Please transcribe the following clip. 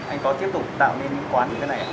anh có tiếp tục tạo nên quán như thế này